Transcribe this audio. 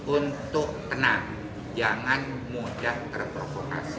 untuk tenang jangan mudah terprovokasi